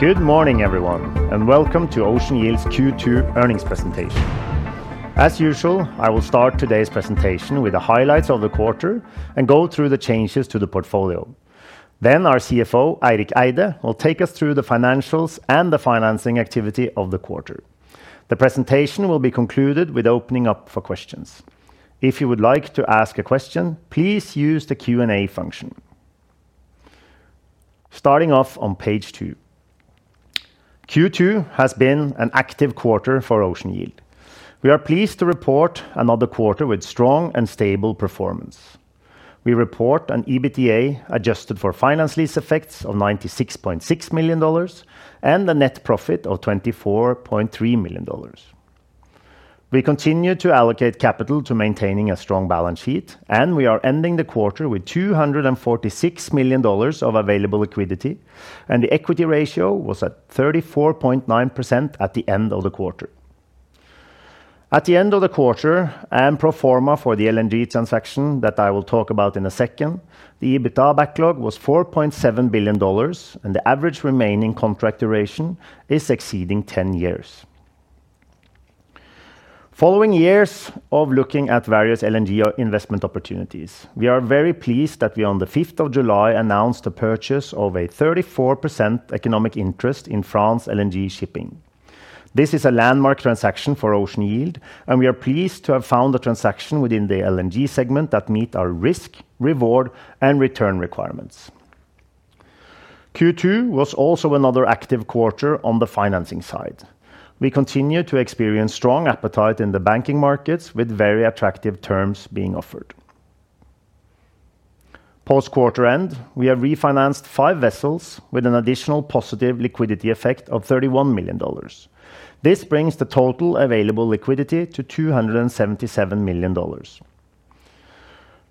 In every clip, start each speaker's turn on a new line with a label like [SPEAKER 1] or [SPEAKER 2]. [SPEAKER 1] Good morning, everyone, and welcome to Ocean Yield's Q2 earnings presentation. As usual, I will start today's presentation with the highlights of the quarter and go through the changes to the portfolio. Then our CFO, Eirik Eide, will take us through the financials and the financing activity of the quarter. The presentation will be concluded with opening up for questions. If you would like to ask a question, please use the Q&A function. Starting off on page two. Q2 has been an active quarter for Ocean Yield. We are pleased to report another quarter with strong and stable performance. We report an EBITDA adjusted for finance lease effects of $96.6 million, and a net profit of $24.3 million. We continue to allocate capital to maintaining a strong balance sheet, and we are ending the quarter with $246 million of available liquidity, and the equity ratio was at 34.9% at the end of the quarter. At the end of the quarter, and pro forma for the LNG transaction that I will talk about in a second, the EBITDA backlog was $4.7 billion, and the average remaining contract duration is exceeding 10 years. Following years of looking at various LNG investment opportunities, we are very pleased that we, on the fifth of July, announced the purchase of a 34% economic interest in France LNG Shipping. This is a landmark transaction for Ocean Yield, and we are pleased to have found a transaction within the LNG segment that meet our risk, reward, and return requirements. Q2 was also another active quarter on the financing side. We continue to experience strong appetite in the banking markets, with very attractive terms being offered. Post quarter end, we have refinanced five vessels with an additional positive liquidity effect of $31 million. This brings the total available liquidity to $277 million.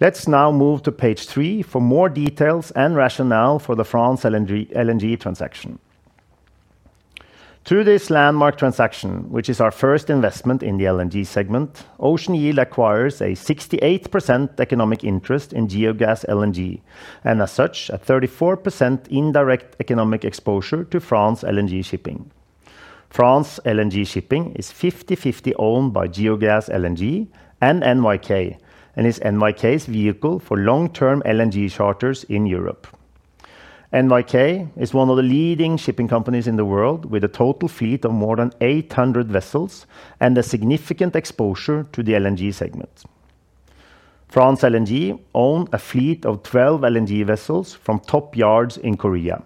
[SPEAKER 1] Let's now move to page three for more details and rationale for the France LNG Shipping, LNG transaction. Through this landmark transaction, which is our first investment in the LNG segment, Ocean Yield acquires a 68% economic interest in Geogas LNG, and as such, a 34% indirect economic exposure to France LNG Shipping. France LNG Shipping is fifty-fifty owned by Geogas LNG and NYK, and is NYK's vehicle for long-term LNG charterers in Europe. NYK is one of the leading shipping companies in the world, with a total fleet of more than 800 vessels and a significant exposure to the LNG segment. France LNG owns a fleet of 12 LNG vessels from top yards in Korea.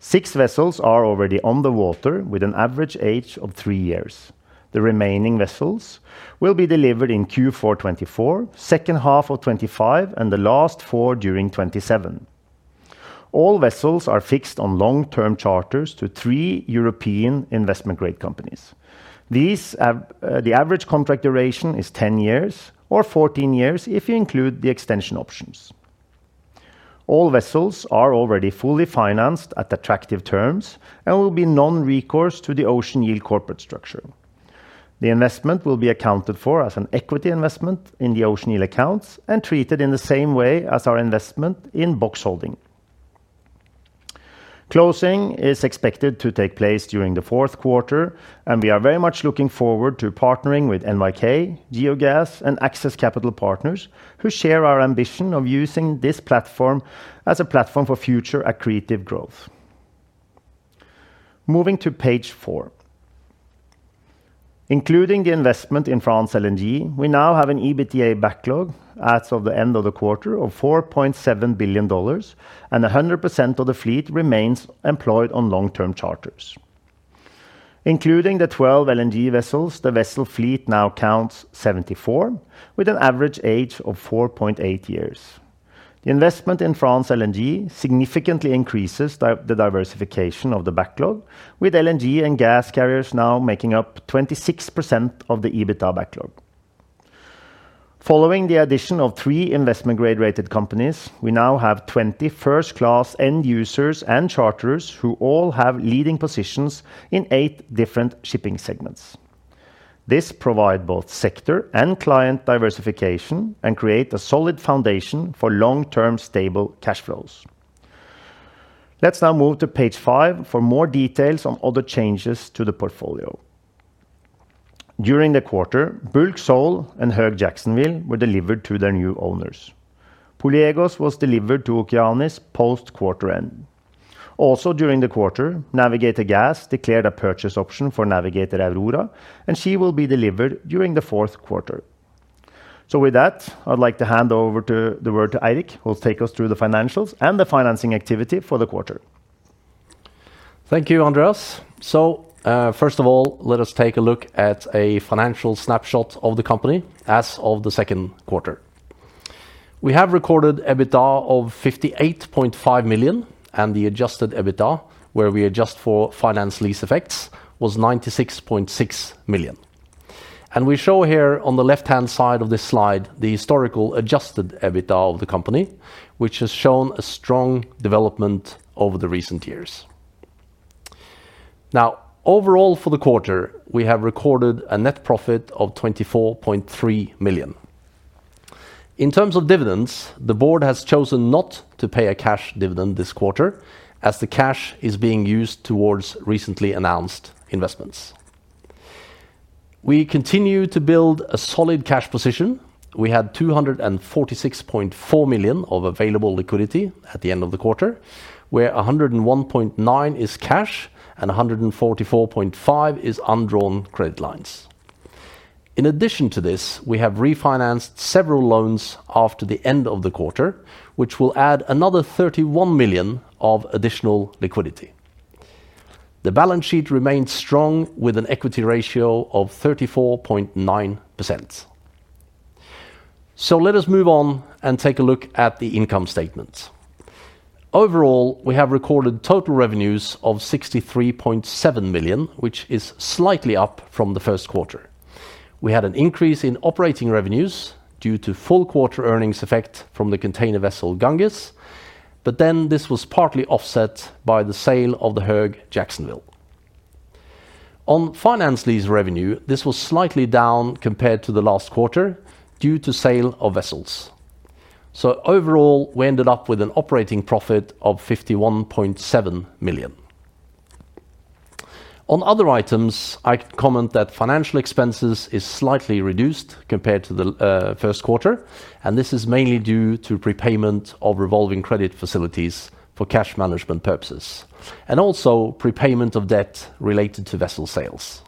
[SPEAKER 1] Six vessels are already on the water, with an average age of three years. The remaining vessels will be delivered in Q4 2024, second half of 2025, and the last four during 2027. All vessels are fixed on long-term charterers to three European investment-grade companies. These have. The average contract duration is 10 years, or 14 years, if you include the extension options. All vessels are already fully financed at attractive terms and will be non-recourse to the Ocean Yield corporate structure. The investment will be accounted for as an equity investment in the Ocean Yield accounts and treated in the same way as our investment in Box Holdings. Closing is expected to take place during the fourth quarter, and we are very much looking forward to partnering with NYK, Geogas, and Access Capital Partners, who share our ambition of using this platform as a platform for future accretive growth. Moving to page four. Including the investment in France LNG, we now have an EBITDA backlog as of the end of the quarter of $4.7 billion, and 100% of the fleet remains employed on long-term charters. Including the 12 LNG vessels, the vessel fleet now counts 74, with an average age of 4.8 years. The investment in France LNG significantly increases the diversification of the backlog, with LNG and gas carriers now making up 26% of the EBITDA backlog. Following the addition of three investment grade-rated companies, we now have 20 first-class end users and charters who all have leading positions in eight different shipping segments. This provide both sector and client diversification and create a solid foundation for long-term, stable cash flows. Let's now move to page five for more details on other changes to the portfolio. During the quarter, Bulk Seoul and Höegh Jacksonville were delivered to their new owners. Poliegos was delivered to Okeanis post quarter end. Also, during the quarter, Navigator Gas declared a purchase option for Navigator Aurora, and she will be delivered during the fourth quarter. So with that, I'd like to hand over the word to Eirik, who will take us through the financials and the financing activity for the quarter.
[SPEAKER 2] Thank you, Andreas. First of all, let us take a look at a financial snapshot of the company as of the second quarter. We have recorded EBITDA of $58.5 million, and the adjusted EBITDA, where we adjust for finance lease effects, was $96.6 million. We show here on the left-hand side of this slide, the historical adjusted EBITDA of the company, which has shown a strong development over the recent years. Now, overall, for the quarter, we have recorded a net profit of $24.3 million. In terms of dividends, the board has chosen not to pay a cash dividend this quarter as the cash is being used towards recently announced investments. We continue to build a solid cash position. We had $246.4 million of available liquidity at the end of the quarter, of which $101.9 million is cash and $144.5 million is undrawn credit lines. In addition to this, we have refinanced several loans after the end of the quarter, which will add another $31 million of additional liquidity. The balance sheet remains strong, with an equity ratio of 34.9%. So let us move on and take a look at the income statement. Overall, we have recorded total revenues of $63.7 million, which is slightly up from the first quarter. We had an increase in operating revenues due to full quarter earnings effect from the container vessel Ganges, but then this was partly offset by the sale of the Höegh Jacksonville. On finance lease revenue, this was slightly down compared to the last quarter due to sale of vessels. So overall, we ended up with an operating profit of $51.7 million. On other items, I comment that financial expenses is slightly reduced compared to the first quarter, and this is mainly due to prepayment of revolving credit facilities for cash management purposes, and also prepayment of debt related to vessel sales.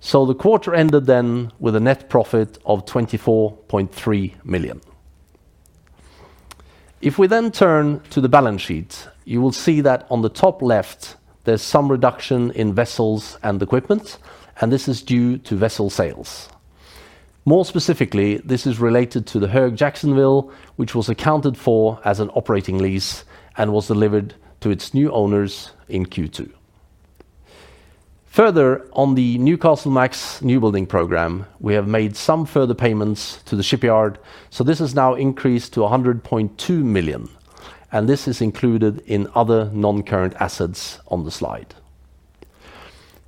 [SPEAKER 2] So the quarter ended then with a net profit of $24.3 million. If we then turn to the balance sheet, you will see that on the top left, there's some reduction in vessels and equipment, and this is due to vessel sales. More specifically, this is related to the Höegh Jacksonville, which was accounted for as an operating lease and was delivered to its new owners in Q2. Further, on the Newcastlemax new building program, we have made some further payments to the shipyard, so this has now increased to $100.2 million, and this is included in other non-current assets on the slide.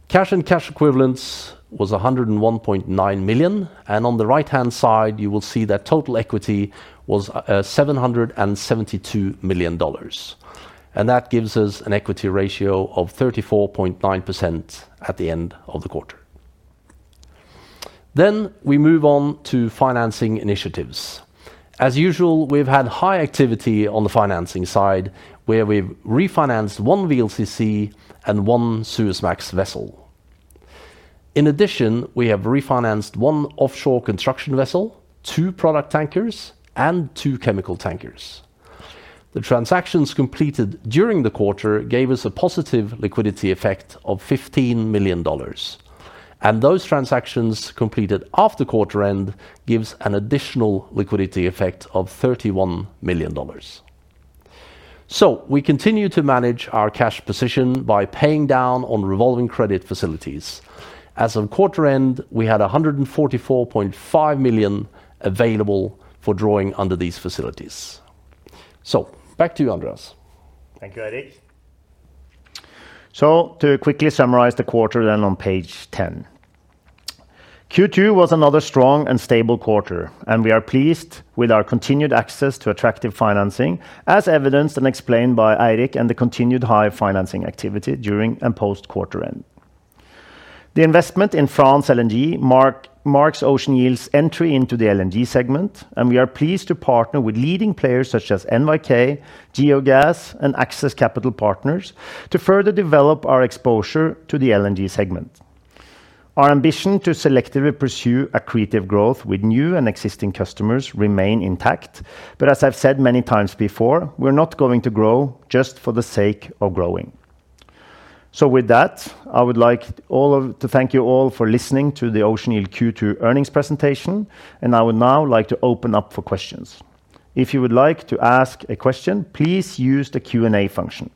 [SPEAKER 2] Cash and cash equivalents was $101.9 million, and on the right-hand side, you will see that total equity was $772 million, and that gives us an equity ratio of 34.9% at the end of the quarter. Then, we move on to financing initiatives. As usual, we've had high activity on the financing side, where we've refinanced one VLCC and one Suezmax vessel. In addition, we have refinanced one offshore construction vessel, two product tankers, and two chemical tankers. The transactions completed during the quarter gave us a positive liquidity effect of $15 million, and those transactions completed after quarter end gives an additional liquidity effect of $31 million. We continue to manage our cash position by paying down on revolving credit facilities. As of quarter end, we had $144.5 million available for drawing under these facilities. Back to you, Andreas.
[SPEAKER 1] Thank you, Eirik. So to quickly summarize the quarter then on page ten. Q2 was another strong and stable quarter, and we are pleased with our continued access to attractive financing, as evidenced and explained by Eirik and the continued high financing activity during and post-quarter end. The investment in France LNG marks Ocean Yield's entry into the LNG segment, and we are pleased to partner with leading players such as NYK, Geogas, and Access Capital Partners to further develop our exposure to the LNG segment. Our ambition to selectively pursue accretive growth with new and existing customers remain intact, but as I've said many times before, we're not going to grow just for the sake of growing. So with that, I would like to thank you all for listening to the Ocean Yield Q2 earnings presentation, and I would now like to open up for questions. If you would like to ask a question, please use the Q&A function.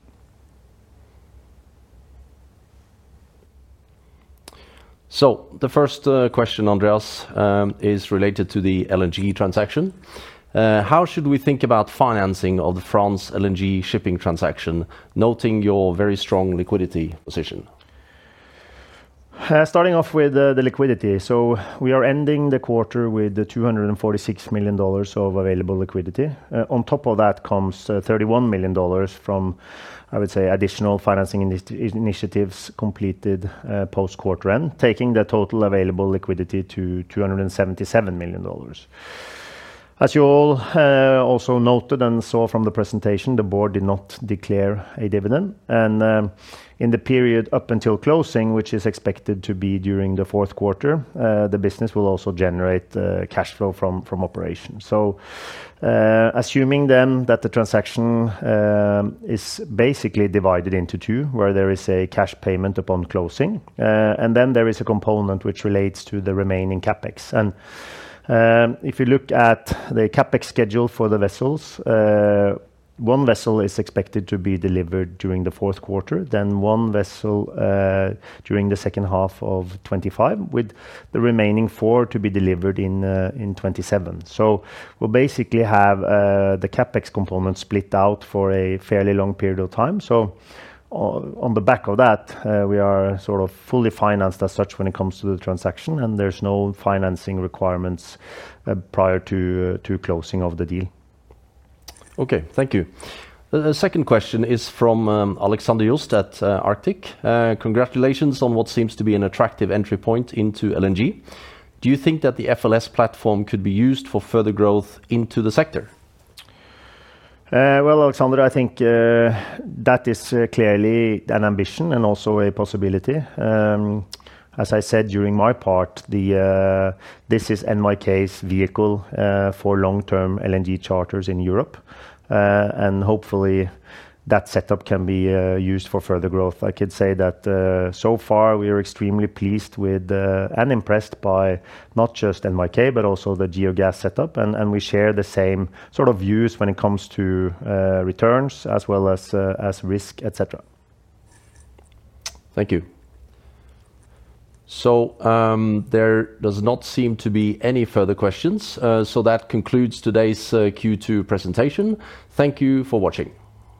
[SPEAKER 2] So the first question, Andreas, is related to the LNG transaction. "How should we think about financing of the France LNG Shipping transaction, noting your very strong liquidity position?
[SPEAKER 1] Starting off with the liquidity, so we are ending the quarter with $246 million of available liquidity. On top of that comes $31 million from, I would say, additional financing initiatives completed post-quarter end, taking the total available liquidity to $277 million. As you all also noted and saw from the presentation, the board did not declare a dividend, and in the period up until closing, which is expected to be during the fourth quarter, the business will also generate cash flow from operations. Assuming then that the transaction is basically divided into two, where there is a cash payment upon closing, and then there is a component which relates to the remaining CapEx. If you look at the CapEx schedule for the vessels, one vessel is expected to be delivered during the fourth quarter, then one vessel during the second half of 2025, with the remaining four to be delivered in 2027. So we basically have the CapEx component split out for a fairly long period of time. So on the back of that, we are sort of fully financed as such when it comes to the transaction, and there's no financing requirements prior to closing of the deal.
[SPEAKER 2] Okay, thank you. The second question is from Alexander Jost at Arctic: "Congratulations on what seems to be an attractive entry point into LNG. Do you think that the FLS platform could be used for further growth into the sector?
[SPEAKER 1] Alexander, I think that is clearly an ambition and also a possibility. As I said, during my part, this is NYK's vehicle for long-term LNG charters in Europe, and hopefully that setup can be used for further growth. I could say that so far we are extremely pleased with and impressed by not just NYK, but also the Geogas setup, and we share the same sort of views when it comes to returns as well as risk, et cetera.
[SPEAKER 2] Thank you. So, there does not seem to be any further questions, so that concludes today's Q2 presentation. Thank you for watching.